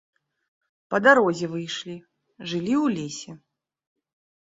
Па дарозе выйшлі, жылі ў лесе.